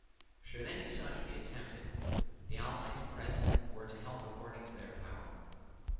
Should any such be attempted, the allies present were to help according to their power.